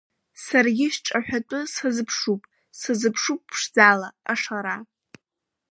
Саргьы сҿаҳәатәы сазыԥшуп, сазыԥшуп, ԥшӡала, ашара.